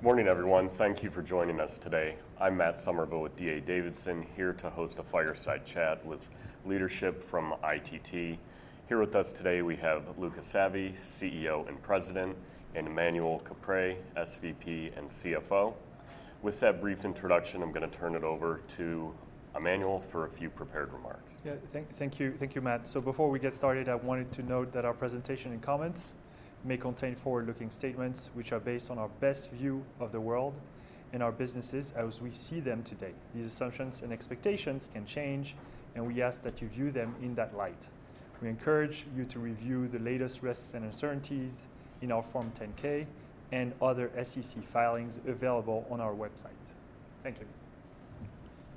Morning, everyone. Thank you for joining us today. I'm Matt Summerville with D.A. Davidson, here to host a fireside chat with leadership from ITT. Here with us today, we have Luca Savi, CEO and President, and Emmanuel Caprais, SVP and CFO. With that brief introduction, I'm gonna turn it over to Emmanuel for a few prepared remarks. Yeah. Thank you. Thank you, Matt. Before we get started, I wanted to note that our presentation and comments may contain forward-looking statements, which are based on our best view of the world and our businesses as we see them today. These assumptions and expectations can change, and we ask that you view them in that light. We encourage you to review the latest risks and uncertainties in our Form 10-K and other SEC filings available on our website. Thank you.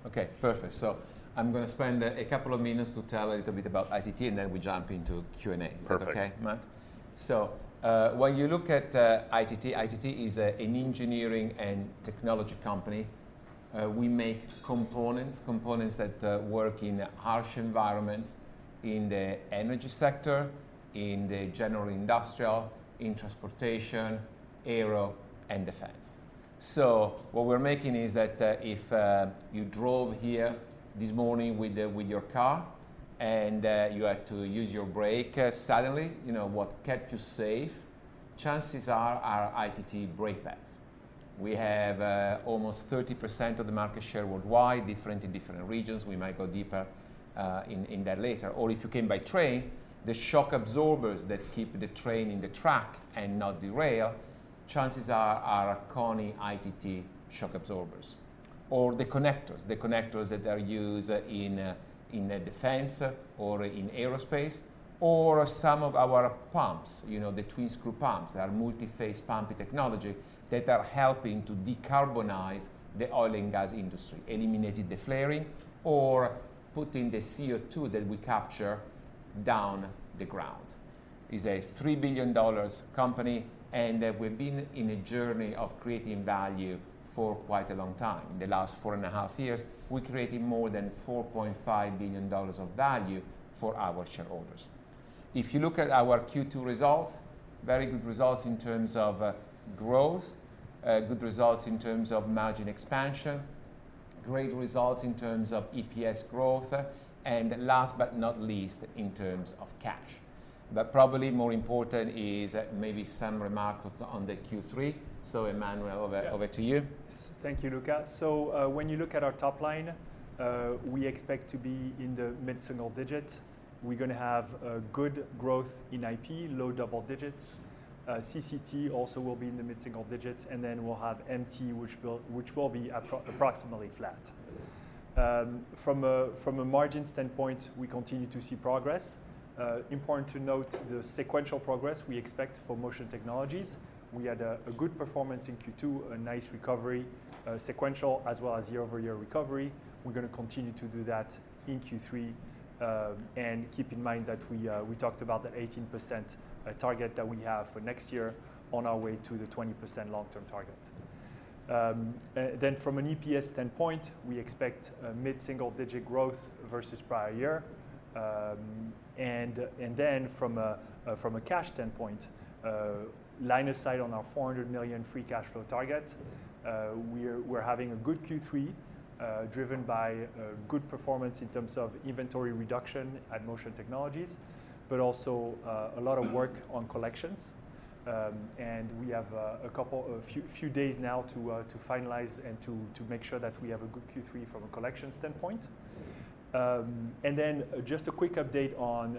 Okay, perfect. So I'm gonna spend a couple of minutes to tell a little bit about ITT, and then we jump into Q&A. Perfect. Is that okay, Matt? When you look at ITT, ITT is an engineering and technology company. We make components, components that work in harsh environments in the energy sector, in general industrial, in transportation, aero, and defense. What we're making is that, if you drove here this morning with your car and you had to use your brake, suddenly, you know, what kept you safe? Chances are, are ITT brake pads. We have almost 30% of the market share worldwide, different in different regions. We might go deeper in that later. Or if you came by train, the shock absorbers that keep the train in the track and not derail, chances are, are KONI ITT shock absorbers. The connectors, the connectors that are used in, you know, in defense or in aerospace, or some of our pumps, you know, the twin-screw pumps, our multi-phase pumping technology, that are helping to decarbonize the oil and gas industry, eliminating the flaring or putting the CO2 that we capture down the ground. It's a $3 billion company, and we've been in a journey of creating value for quite a long time. In the last four and a half years, we created more than $4.5 billion of value for our shareholders. If you look at our Q2 results, very good results in terms of, you know, growth, good results in terms of margin expansion, great results in terms of EPS growth, and last but not least, in terms of cash. Probably more important is maybe some remarks on the Q3. Emmanuel- Yeah. Over to you. Thank you, Luca. When you look at our top line, we expect to be in the mid-single digit. We're gonna have a good growth in IP, low double digits. CCT also will be in the mid-single digits, and then we'll have MT, which will be approximately flat. From a margin standpoint, we continue to see progress. Important to note the sequential progress we expect for Motion Technologies. We had a good performance in Q2, a nice recovery, sequential as well as year-over-year recovery. We're gonna continue to do that in Q3. Keep in mind that we talked about the 18% target that we have for next year on our way to the 20% long-term target. Then from an EPS standpoint, we expect a mid-single-digit growth versus prior year. And then from a cash standpoint, line of sight on our $400 million free cash flow target, we're having a good Q3, driven by good performance in terms of inventory reduction at Motion Technologies, but also a lot of work on collections. We have a couple... a few, few days now to finalize and to make sure that we have a good Q3 from a collection standpoint. And then just a quick update on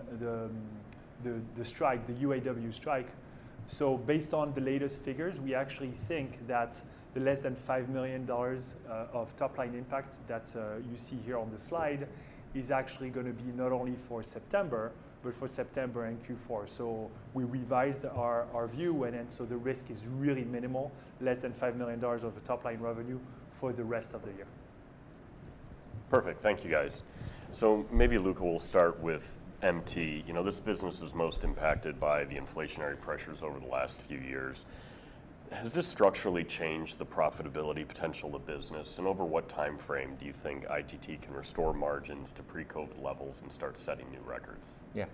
the strike, the UAW strike. So based on the latest figures, we actually think that the less than $5 million of top-line impact that you see here on the slide is actually gonna be not only for September, but for September and Q4. So we revised our view, and then, so the risk is really minimal, less than $5 million of the top-line revenue for the rest of the year. Perfect. Thank you, guys. So maybe, Luca, we'll start with MT. You know, this business was most impacted by the inflationary pressures over the last few years. Has this structurally changed the profitability potential of the business? And over what timeframe do you think ITT can restore margins to pre-COVID levels and start setting new records? Yeah.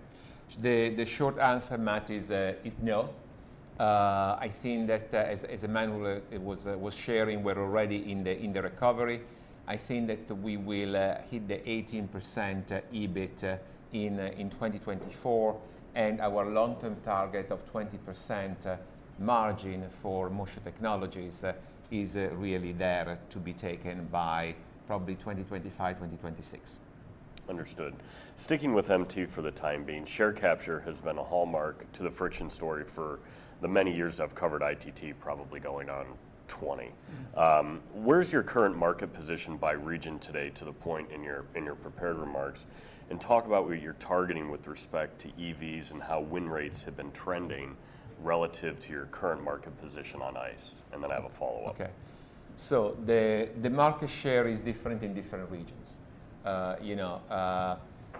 The short answer, Matt, is no. I think that, as Emmanuel was sharing, we're already in the recovery. I think that we will hit the 18% EBIT in 2024, and our long-term target of 20% margin for Motion Technologies is really there to be taken by probably 2025, 2026. Understood. Sticking with MT for the time being, share capture has been a hallmark to the friction story for the many years I've covered ITT, probably going on 20. Mm-hmm. Where's your current market position by region today to the point in your prepared remarks? And talk about what you're targeting with respect to EVs and how win rates have been trending relative to your current market position on ICE. And then I have a follow-up. Okay. So the market share is different in different regions. You know,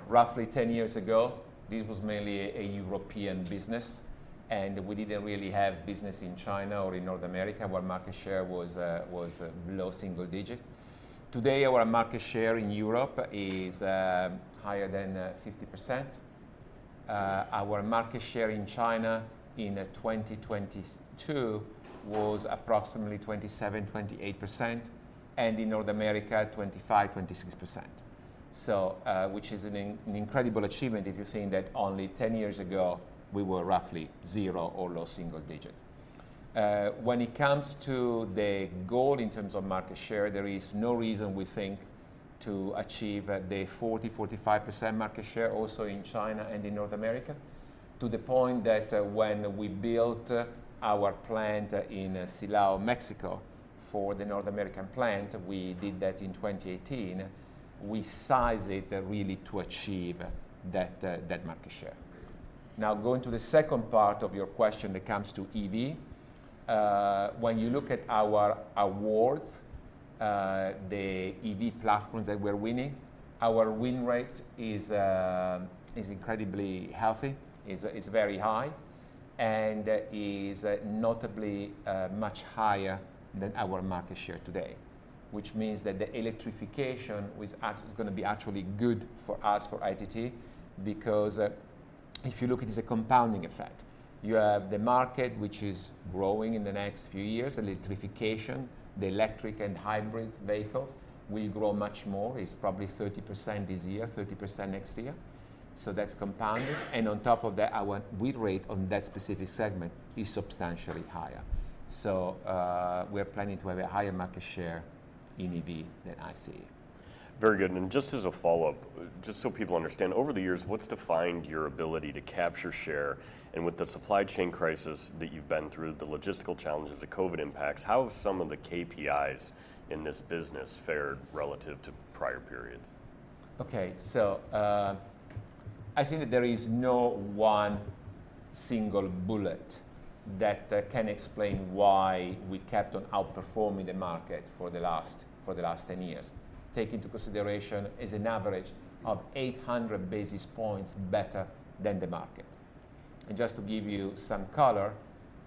roughly 10 years ago, this was mainly a European business, and we didn't really have business in China or in North America, where market share was low single digit. Today, our market share in Europe is higher than 50%—our market share in China in 2022 was approximately 27%-28%, and in North America, 25%-26%. So, which is an incredible achievement if you think that only 10 years ago, we were roughly zero or low single digit. When it comes to the goal in terms of market share, there is no reason we think to achieve the 40%-45% market share also in China and in North America, to the point that when we built our plant in Silao, Mexico, for the North American plant, we did that in 2018, we size it really to achieve that market share. Now, going to the second part of your question that comes to EV, when you look at our awards, the EV platforms that we're winning, our win rate is incredibly healthy, is very high, and is notably much higher than our market share today. Which means that the electrification, which is gonna be actually good for us, for ITT, because if you look at the compounding effect, you have the market, which is growing in the next few years, electrification, the electric and hybrid vehicles will grow much more. It's probably 30% this year, 30% next year, so that's compounding. And on top of that, our win rate on that specific segment is substantially higher. So, we're planning to have a higher market share in EV than ICE. Very good. And just as a follow-up, just so people understand, over the years, what's defined your ability to capture share? And with the supply chain crisis that you've been through, the logistical challenges, the COVID impacts, how have some of the KPIs in this business fared relative to prior periods? Okay. So, I think that there is no one single bullet that can explain why we kept on outperforming the market for the last, for the last 10 years. Take into consideration is an average of 800 basis points better than the market. And just to give you some color,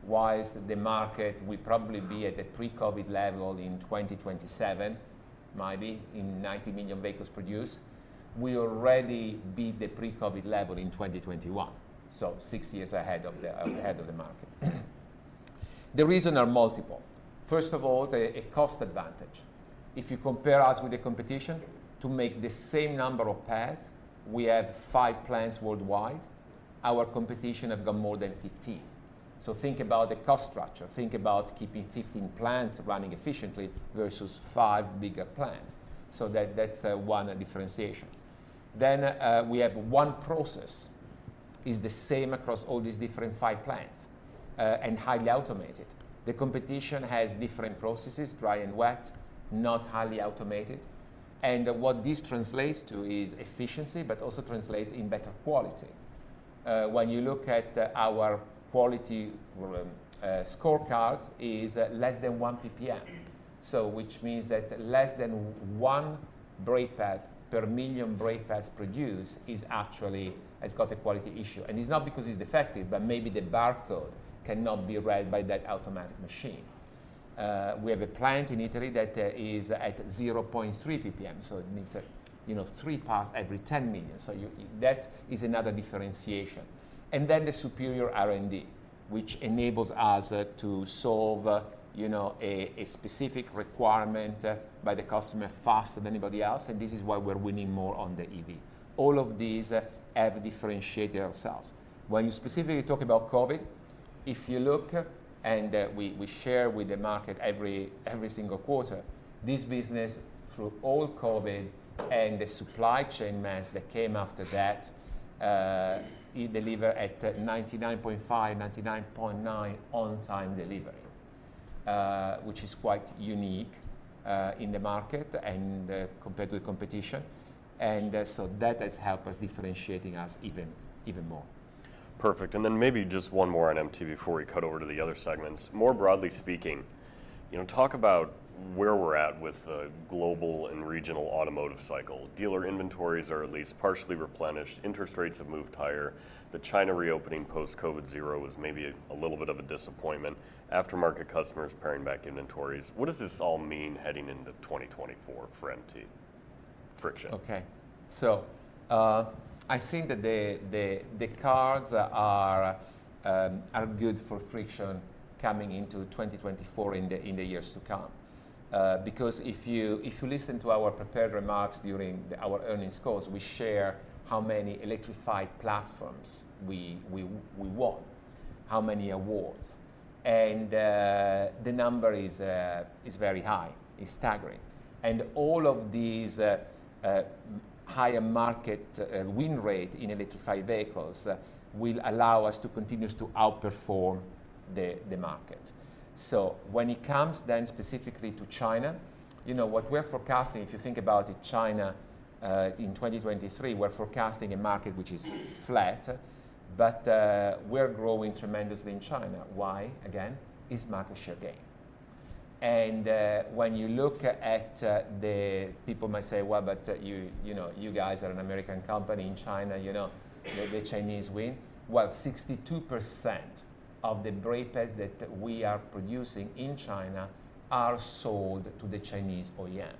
whilst the market will probably be at a pre-COVID level in 2027, maybe in 90 million vehicles produced, we already beat the pre-COVID level in 2021, so six years ahead of the ahead of the market. The reason are multiple. First of all, a cost advantage. If you compare us with the competition, to make the same number of pads, we have five plants worldwide. Our competition have got more than 15. So think about the cost structure. Think about keeping 15 plants running efficiently versus five bigger plants. That's one differentiation. We have one process. It's the same across all these different five plants and highly automated. The competition has different processes, dry and wet, not highly automated. What this translates to is efficiency, but also translates in better quality. When you look at our quality scorecards, it's less than 1 PPM. So which means that less than one brake pad per million brake pads produced is actually has got a quality issue. And it's not because it's defective, but maybe the barcode cannot be read by that automatic machine. We have a plant in Italy that is at 0.3 PPM, so it means that, you know, three parts every 10 million. So that is another differentiation. And then the superior R&D, which enables us to solve, you know, a specific requirement by the customer faster than anybody else, and this is why we're winning more on the EV. All of these have differentiated ourselves. When you specifically talk about COVID, if you look, and we share with the market every single quarter, this business, through all COVID and the supply chain mess that came after that, it deliver at 99.5, 99.9 on-time delivery, which is quite unique in the market and compared to the competition. And so that has helped us, differentiating us even more. Perfect. And then maybe just one more on MT before we cut over to the other segments. More broadly speaking, you know, talk about where we're at with the global and regional automotive cycle. Dealer inventories are at least partially replenished, interest rates have moved higher, the China reopening post-COVID Zero was maybe a little bit of a disappointment. Aftermarket customers paring back inventories. What does this all mean heading into 2024 for MT Friction? Okay. I think that the cards are good for Friction coming into 2024 and in the years to come. If you listen to our prepared remarks during our earnings calls, we share how many electrified platforms we won, how many awards. The number is very high, is staggering. All of these higher market win rate in electrified vehicles will allow us to continue to outperform the market. When it comes specifically to China, you know, what we're forecasting, if you think about it, China in 2023, we're forecasting a market which is flat, but we're growing tremendously in China. Why? Again, it's market share gain. When you look at the... People might say, "Well, but, you know, you guys are an American company in China, you know, may the Chinese win?" Well, 62% of the brake pads that we are producing in China are sold to the Chinese OEMs: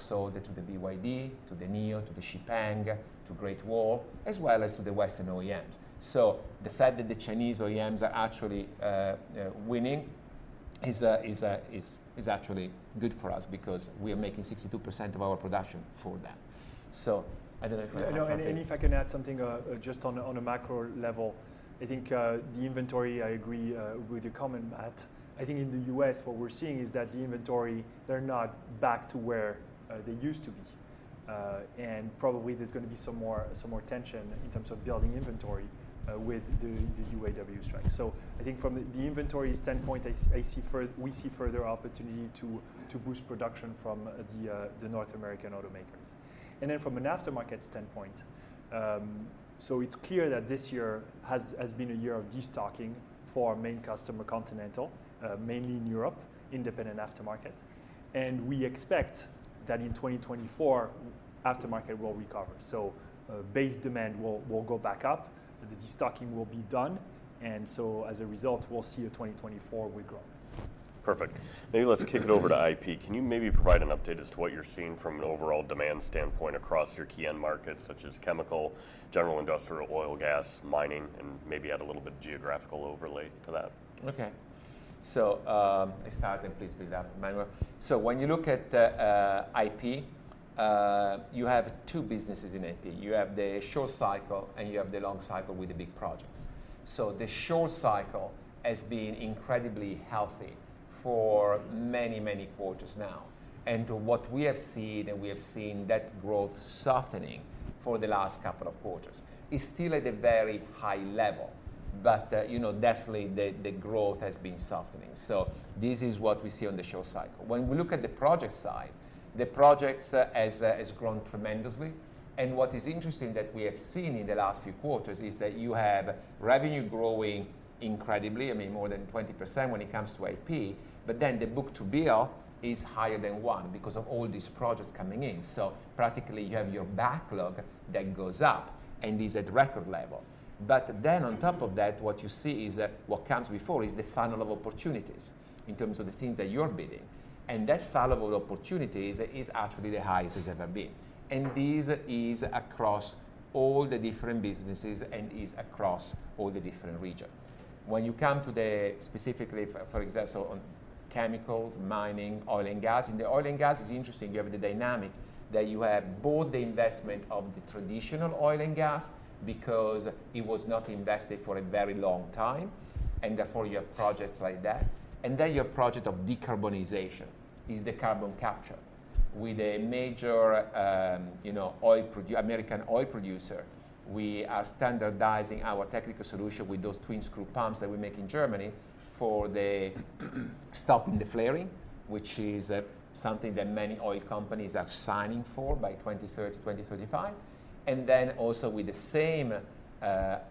to the BYD, to the NIO, to the XPENG, to Great Wall, as well as to the Western OEMs. So the fact that the Chinese OEMs are actually winning is actually good for us because we are making 62% of our production for them. So I don't know if you want to add something? No, if I can add something, just on a macro level, I think the inventory, I agree with your comment, Matt. I think in the U.S., what we're seeing is that the inventory, they're not back to where they used to be. And probably, there's gonna be some more tension in terms of building inventory with the UAW strike. So I think from the inventory standpoint, we see further opportunity to boost production from the North American automakers. And then from an aftermarket standpoint, so it's clear that this year has been a year of destocking for our main customer, Continental, mainly in Europe, independent aftermarket. And we expect that in 2024, aftermarket will recover. So, base demand will go back up, the destocking will be done, and so as a result, we'll see a 2024 with growth. Perfect. Maybe let's kick it over to IP. Can you maybe provide an update as to what you're seeing from an overall demand standpoint across your key end markets, such as chemical, general industrial, oil and gas, mining, and maybe add a little bit of geographical overlay to that? Okay. So, I start, and please pick up, Emmanuel. So when you look at IP, you have two businesses in IP. You have the short cycle, and you have the long cycle with the big projects. So the short cycle has been incredibly healthy for many, many quarters now. And what we have seen, and we have seen that growth softening for the last couple of quarters, is still at a very high level, but, you know, definitely the growth has been softening. So this is what we see on the short cycle. When we look at the project side, the projects has grown tremendously. What is interesting that we have seen in the last few quarters is that you have revenue growing incredibly, I mean, more than 20% when it comes to IP, but then the book-to-bill is higher than one because of all these projects coming in. Practically, you have your backlog that goes up and is at record level. On top of that, what you see is that what comes before is the funnel of opportunities in terms of the things that you're bidding, and that funnel of opportunities is actually the highest it's ever been. This is across all the different businesses and is across all the different region. When you come to the specifically, for, for example, on chemicals, mining, oil and gas, in the oil and gas is interesting. You have the dynamic that you have both the investment of the traditional oil and gas because it was not invested for a very long time, and therefore, you have projects like that. Then you have project of decarbonization, is the carbon capture. With a major, you know, oil producer, American oil producer, we are standardizing our technical solution with those twin screw pumps that we make in Germany for stopping the flaring, which is something that many oil companies are signing for by 2030, 2035. Then also with the same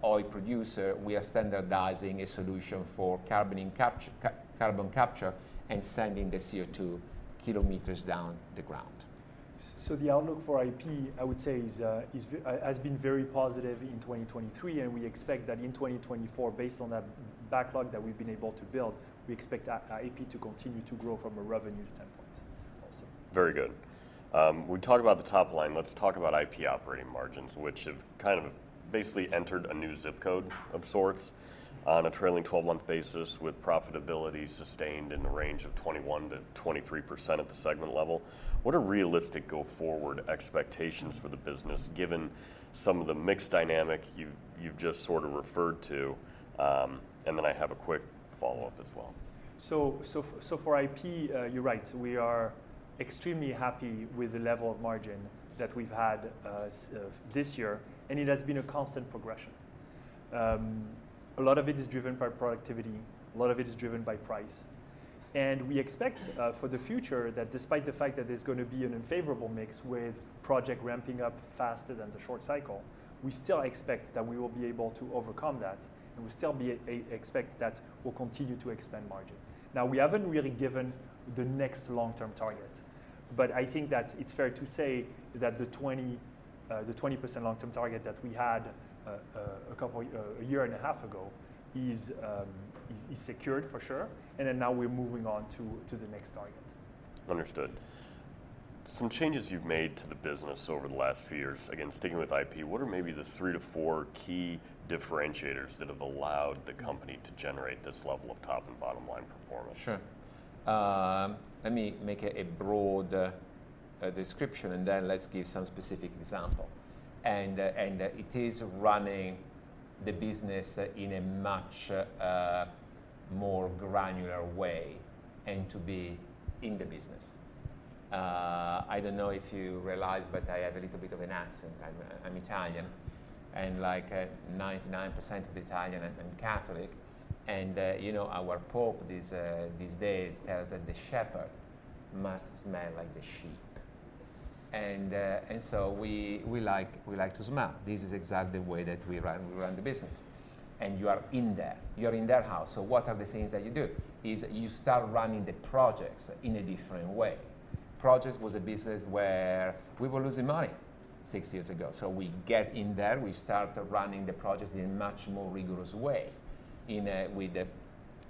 oil producer, we are standardizing a solution for carbon capture and sending the CO2 kilometers down the ground. The outlook for IP, I would say, is, is very positive in 2023, and we expect that in 2024, based on that backlog that we've been able to build, we expect our IP to continue to grow from a revenue standpoint also. Very good. We talked about the top line. Let's talk about IP operating margins, which have kind of basically entered a new zip code of sorts on a trailing 12-month basis, with profitability sustained in the range of 21%-23% at the segment level. What are realistic go-forward expectations for the business, given some of the mixed dynamic you've just sort of referred to? And then I have a quick follow-up as well. So for IP, you're right. We are extremely happy with the level of margin that we've had this year, and it has been a constant progression. A lot of it is driven by productivity, a lot of it is driven by price. And we expect for the future, that despite the fact that there's gonna be an unfavorable mix with project ramping up faster than the short cycle, we still expect that we will be able to overcome that, and we still expect that we'll continue to expand margin. Now, we haven't really given the next long-term target, but I think that it's fair to say that the 20%, the 20% long-term target that we had a couple, a year and a half ago, is, is secured for sure, and now we're moving on to the next target. Understood. Some changes you've made to the business over the last few years, again, sticking with IP, what are maybe the three or four key differentiators that have allowed the company to generate this level of top and bottom line performance? Sure. Let me make a broad description, and then let's give some specific example. It is running the business in a much more granular way and to be in the business. I don't know if you realize, but I have a little bit of an accent. I'm Italian, and like 99% of Italian, I'm Catholic, and you know, our pope these days tells that the shepherd must smell like the sheep. We like to smell. This is exactly the way that we run, we run the business. You are in there, you are in their house, so what are the things that you do? You start running the projects in a different way. Projects was a business where we were losing money six years ago. So we get in there, we start running the projects in a much more rigorous way, with the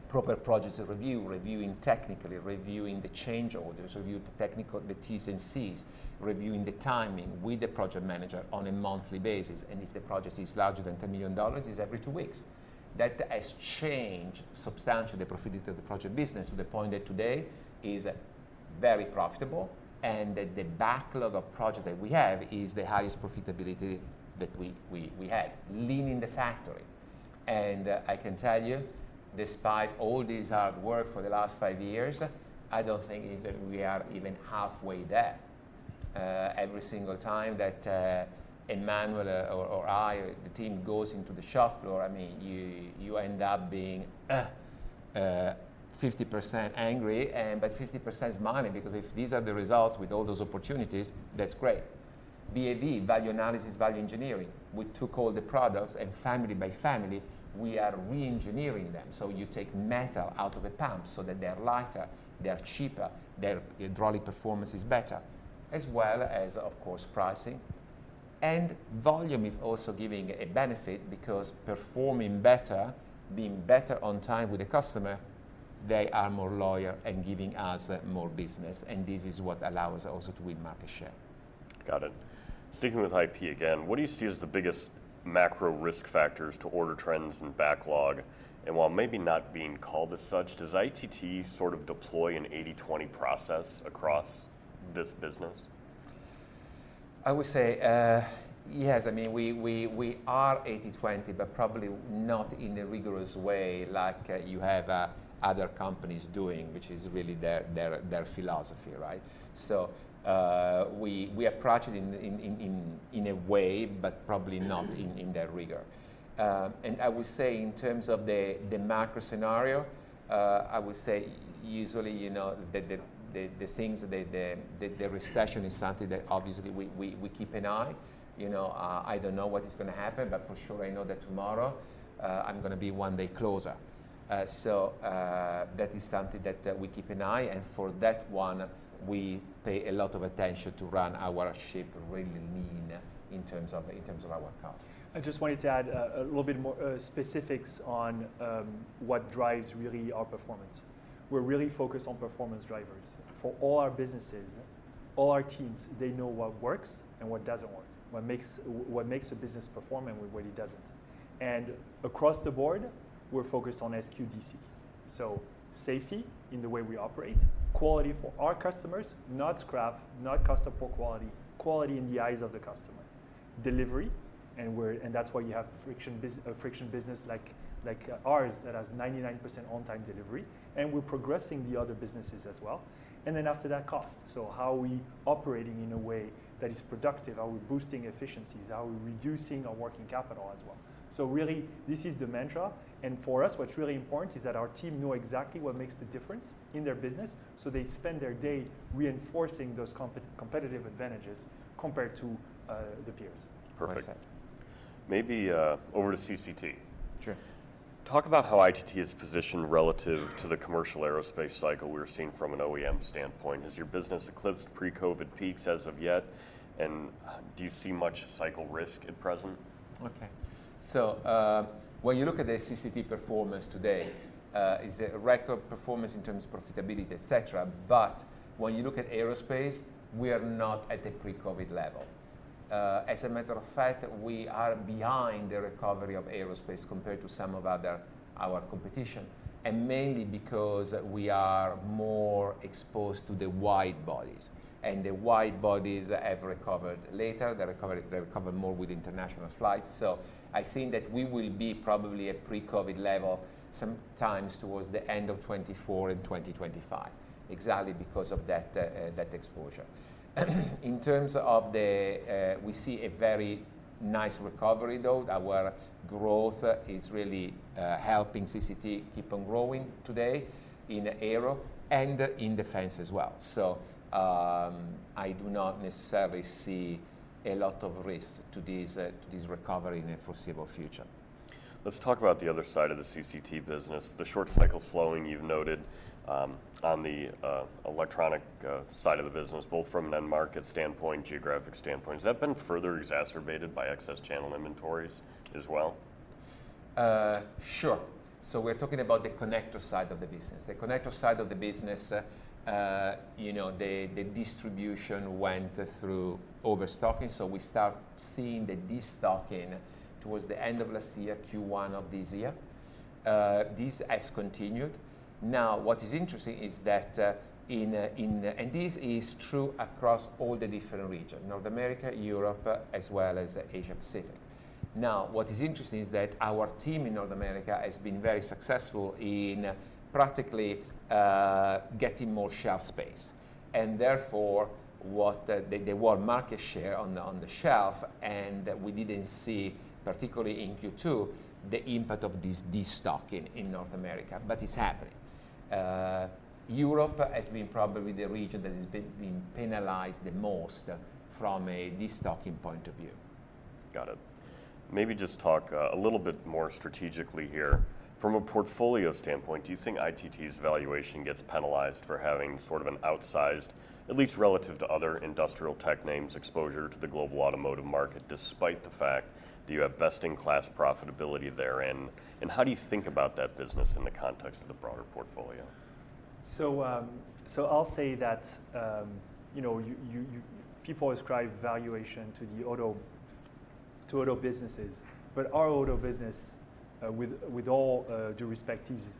proper project review, reviewing technically, reviewing the change orders, review the technical, the T's and C's, reviewing the timing with the project manager on a monthly basis, and if the project is larger than $10 million, it's every two weeks. That has changed substantially the profitability of the project business to the point that today is very profitable, and that the backlog of project that we have is the highest profitability that we had. Lean in the factory, and I can tell you, despite all this hard work for the last five years, I don't think is that we are even halfway there. Every single time that, I mean, Emmanuel or I or the team goes into the shop floor, I mean, you end up being 50% angry and 50% smiling, because if these are the results with all those opportunities, that's great. VAVE, value analysis, value engineering. We took all the products, and family by family, we are reengineering them. You take metal out of a pump so that they're lighter, they're cheaper, their hydraulic performance is better, as well as, of course, pricing. Volume is also giving a benefit because performing better, being better on time with the customer, they are more loyal and giving us more business, and this is what allows us also to win market share. Got it. Sticking with IP again, what do you see as the biggest macro risk factors to order trends and backlog? And while maybe not being called as such, does ITT sort of deploy an 80/20 process across this business? I would say, yes, I mean, we are 80/20, but probably not in a rigorous way like you have other companies doing, which is really their philosophy, right? So, we approach it in a way, but probably not in that rigor. And I would say in terms of the macro scenario, I would say usually, you know, the things, the recession is something that obviously we keep an eye. You know, I don't know what is gonna happen, but for sure, I know that tomorrow, I'm gonna be one day closer. So, that is something that we keep an eye, and for that one, we pay a lot of attention to run our ship really lean in terms of, in terms of our cost. I just wanted to add a little bit more specifics on what drives really our performance. We're really focused on performance drivers. For all our businesses, all our teams, they know what works and what doesn't work, what makes, what makes a business perform and what really doesn't. And across the board, we're focused on SQDC. So safety in the way we operate, quality for our customers, not scrap, not customer poor quality, quality in the eyes of the customer. Delivery, and we're- and that's why you have friction bus- a friction business like, like ours, that has 99% on-time delivery, and we're progressing the other businesses as well. And then after that, cost. So how are we operating in a way that is productive? Are we boosting efficiencies? Are we reducing our working capital as well? So really, this is the mantra, and for us, what's really important is that our team know exactly what makes the difference in their business, so they spend their day reinforcing those competitive advantages compared to the peers. Perfect. That's it. Maybe over to CCT. Sure. Talk about how ITT is positioned relative to the commercial aerospace cycle we're seeing from an OEM standpoint. Has your business eclipsed pre-COVID peaks as of yet, and, do you see much cycle risk at present? Okay. When you look at the CCT performance today, it's a record performance in terms of profitability, et cetera. When you look at aerospace, we are not at the pre-COVID level. As a matter of fact, we are behind the recovery of aerospace compared to some of our competition, mainly because we are more exposed to the widebodies. The widebodies have recovered later. They recovered, they recovered more with international flights. I think that we will be probably at pre-COVID level sometime towards the end of 2024 and 2025, exactly because of that exposure. In terms of the... We see a very nice recovery, though. Our growth is really helping CCT keep on growing today in aero and in defense as well. I do not necessarily see a lot of risk to this, to this recovery in the foreseeable future. Let's talk about the other side of the CCT business, the short cycle slowing you've noted, on the electronic side of the business, both from an end market standpoint, geographic standpoint. Has that been further exacerbated by excess channel inventories as well? Sure. We're talking about the connector side of the business. The connector side of the business, you know, the distribution went through overstocking, so we start seeing the destocking towards the end of last year, Q1 of this year. This has continued. Now, what is interesting is that, in... And this is true across all the different regions: North America, Europe, as well as Asia Pacific. Now, what is interesting is that our team in North America has been very successful in practically, you know, getting more shelf space, and therefore, what, they want market share on the shelf, and we didn't see, particularly in Q2, the impact of this destocking in North America, but it's happening. Europe has been probably the region that has been penalized the most from a destocking point of view. Got it. Maybe just talk, a little bit more strategically here. From a portfolio standpoint, do you think ITT's valuation gets penalized for having sort of an outsized, at least relative to other industrial tech names, exposure to the global automotive market, despite the fact that you have best-in-class profitability therein? And how do you think about that business in the context of the broader portfolio? So, so I'll say that, you know, people ascribe valuation to the auto, to auto businesses, but our auto business, with all due respect, is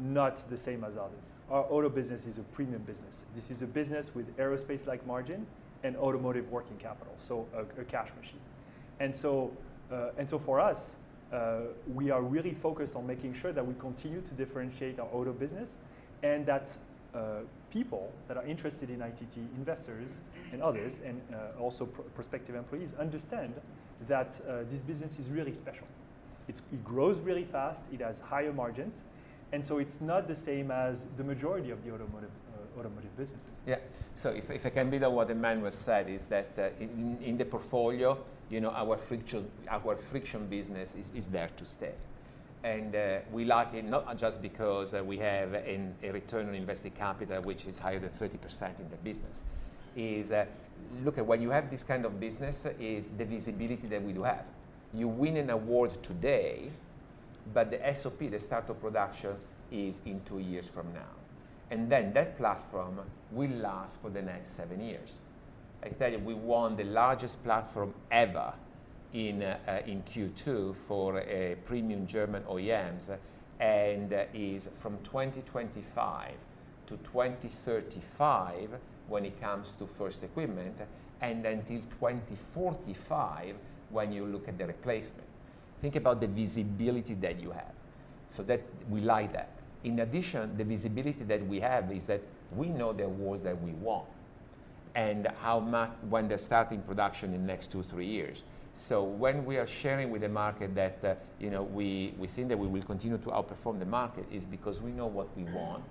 not the same as others. Our auto business is a premium business. This is a business with aerospace-like margin and automotive working capital, so a cash machine. And so, for us, we are really focused on making sure that we continue to differentiate our auto business, and that people that are interested in ITT, investors and others, and also prospective employees, understand that this business is really special. It's it grows really fast, it has higher margins, and so it's not the same as the majority of the automotive, automotive businesses. Yeah. So if I, if I can build on what Emmanuel said, is that, in, in the portfolio, you know, our friction, our friction business is, is there to stay. And, we like it not just because we have an, a return on invested capital, which is higher than 30% in the business, is that, look, when you have this kind of business, is the visibility that we do have. You win an award today, but the SOP, the start of production, is in two years from now, and then that platform will last for the next seven years. I tell you, we won the largest platform ever in, in Q2 for a premium German OEMs, and is from 2025 to 2035 when it comes to first equipment, and then till 2045 when you look at the replacement. Think about the visibility that you have. We like that. In addition, the visibility that we have is that we know the awards that we won, and how many—when they're starting production in the next two, three years. When we are sharing with the market that, you know, we think that we will continue to outperform the market, it's because we know what we won.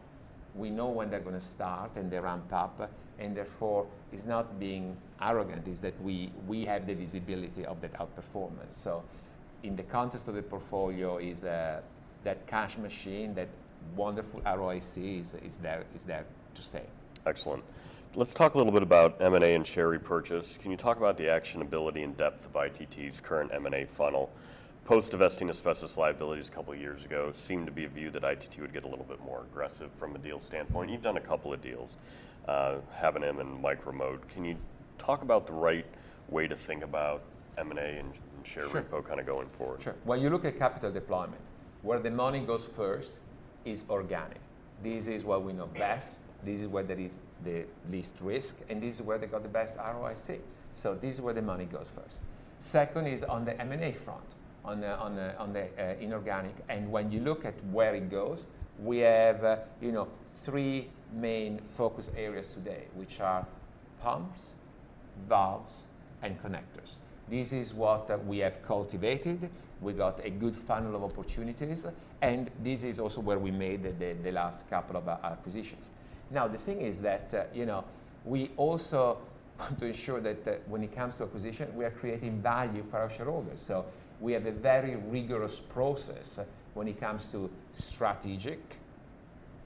We know when they're gonna start and the ramp up, and therefore, it's not being arrogant, it's that we have the visibility of that outperformance. In the context of the portfolio, that cash machine, that wonderful ROIC is there, is there to stay. Excellent. Let's talk a little bit about M&A and share repurchase. Can you talk about the actionability and depth of ITT's current M&A funnel? Post-divesting asbestos liabilities a couple of years ago, seemed to be a view that ITT would get a little bit more aggressive from a deal standpoint. You've done a couple of deals, Habonim and Micro-Mode Products, Inc. Can you talk about the right way to think about M&A and share- Sure... repo kinda going forward? Sure. When you look at capital deployment, where the money goes first is organic. This is what we know best, this is where there is the least risk, and this is where they got the best ROIC. So this is where the money goes first. Second is on the inorganic. And when you look at where it goes, we have, you know, three main focus areas today, which are pumps, valves, and connectors. This is what we have cultivated. We got a good funnel of opportunities, and this is also where we made the last couple of acquisitions. Now, the thing is that, you know, we also want to ensure that, when it comes to acquisition, we are creating value for our shareholders. So we have a very rigorous process when it comes to strategic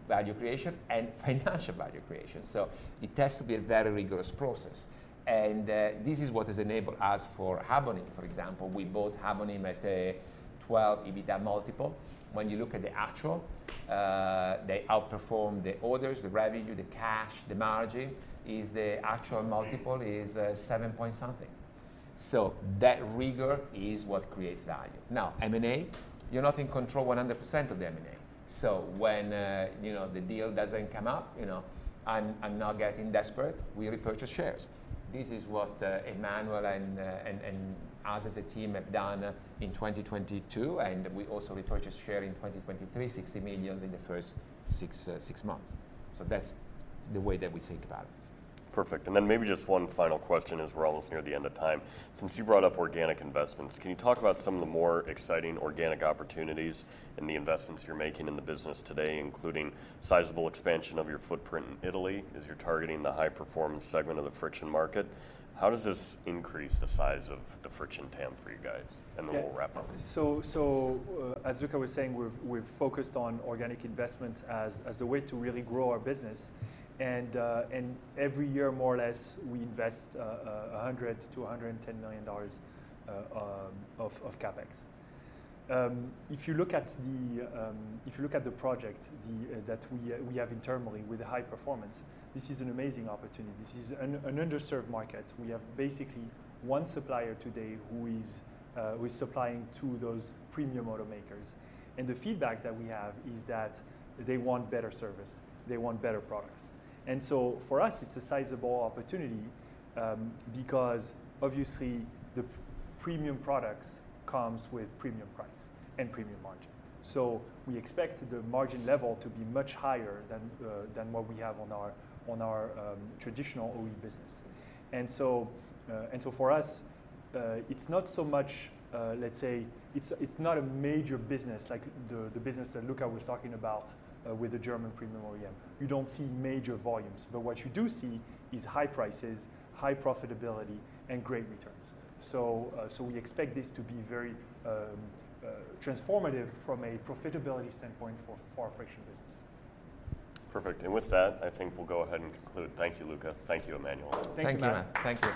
value creation and financial value creation. So it has to be a very rigorous process. And this is what has enabled us for Habonim. For example, we bought Habonim at a 12 EBITDA multiple. When you look at the actual, they outperform the others, the revenue, the cash, the margin, is the actual multiple is seven point something. So that rigor is what creates value. Now, M&A, you're not in control 100% of the M&A. So when you know, the deal doesn't come up, you know, I'm not getting desperate, we repurchase shares. This is what Emmanuel and us as a team have done in 2022, and we also repurchase share in 2023, $60 million in the first six months. That's the way that we think about it. Perfect. And then maybe just one final question, as we're almost near the end of time. Since you brought up organic investments, can you talk about some of the more exciting organic opportunities and the investments you're making in the business today, including sizable expansion of your footprint in Italy, as you're targeting the high-performance segment of the friction market? How does this increase the size of the friction TAM for you guys? And then we'll wrap up. As Luca was saying, we've focused on organic investment as the way to really grow our business. And every year, more or less, we invest $100 million-$110 million of CapEx. If you look at the project that we have internally with the high performance, this is an amazing opportunity. This is an underserved market. We have basically one supplier today who is supplying to those premium automakers. And the feedback that we have is that they want better service, they want better products. And so for us, it's a sizable opportunity, because obviously, the premium products comes with premium price and premium margin. So we expect the margin level to be much higher than what we have on our traditional OE business. And so for us, it's not so much, let's say, it's not a major business like the business that Luca was talking about with the German premium OEM. You don't see major volumes, but what you do see is high prices, high profitability, and great returns. So we expect this to be very transformative from a profitability standpoint for our friction business. Perfect. And with that, I think we'll go ahead and conclude. Thank you, Luca. Thank you, Emmanuel. Thank you. Thank you, Matt. Thank you.